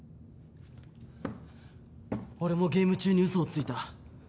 俺もゲーム中に嘘をついた。